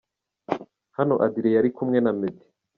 Hano Adrien yari kumwe na Meddy.